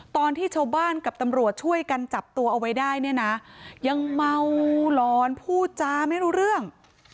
ตอนที่ชาวบ้านกับตำรวจช่วยกันจับตัวเอาไว้ได้เนี่ยนะยังเมาหลอนพูดจาไม่รู้เรื่อง